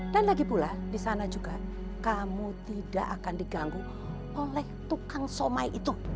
lagi pula di sana juga kamu tidak akan diganggu oleh tukang somai itu